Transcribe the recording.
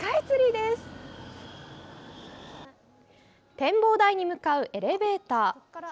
展望台に向かうエレベーター。